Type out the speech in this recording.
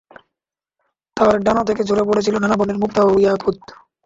তার ডানা থেকে ঝরে পড়ছিল নানা বর্ণের মুক্তা ও ইয়াকুত।